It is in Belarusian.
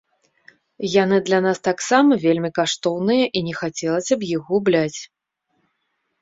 Яны для нас таксама вельмі каштоўныя і не хацелася б іх губляць.